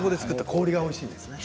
氷がおいしいんですね。